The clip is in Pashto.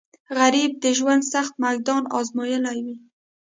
غریب د ژوند سخت میدان ازمویلی وي